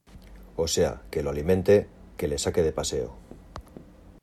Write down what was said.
o sea, que lo alimente , que le saque de paseo.